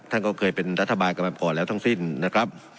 ท่านก็เคยเป็นรัฐบาลกันมาก่อนแล้วทั้งสิ้นนะครับ